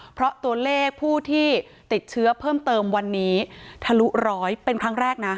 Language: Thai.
เพราะตัวเลขผู้ที่ติดเชื้อเพิ่มเติมวันนี้ทะลุร้อยเป็นครั้งแรกนะ